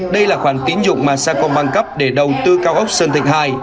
đây là khoản tín dụng mà sa công băng cấp để đầu tư cao ốc sơn thịnh hai